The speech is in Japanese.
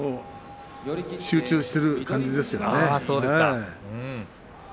集中している感じですね。